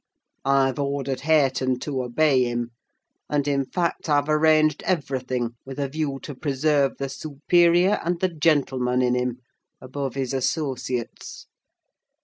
I've ordered Hareton to obey him: and in fact I've arranged everything with a view to preserve the superior and the gentleman in him, above his associates.